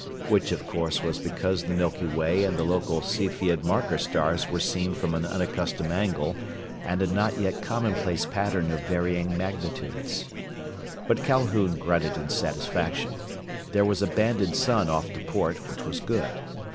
Which, of course, was because the Milky Way and the local Cepheid marker stars were seen from an unaccustomed angle and a not yet commonplace pattern of varying magnitudes. But Calhoun grunted in satisfaction. There was a banded sun off to port, which was good.